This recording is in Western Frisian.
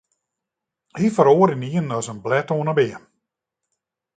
Hy feroare ynienen as in blêd oan 'e beam.